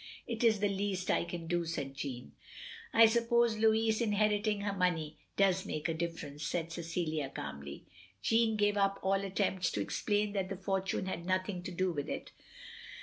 It is the least I can do," said Jeanne. "I suppose Louis inheriting her money does make a difference, " said Cecilia, calmly. Jeanne gave up all attempts to explain that the fortune had nothing to do with it.